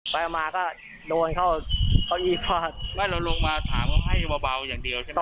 ไปมาก็โดนเข้าเข้าอีฟาดไม่เราลงมาถามว่าให้เบาเบาอย่างเดียวใช่ไหม